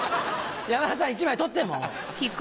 山田さん１枚取ってもう。